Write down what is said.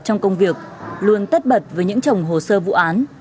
trong công việc luôn tất bật với những chồng hồ sơ vụ án